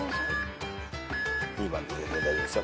２番で全然大丈夫ですよ。